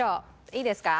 いいですか？